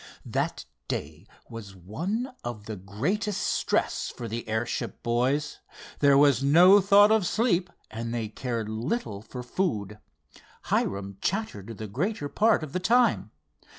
That day was one of the greatest stress for the airship boys. There was no thought of sleep, and they cared little for food. Hiram chattered the greater part of the time.